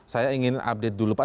saya ingin update dulu pak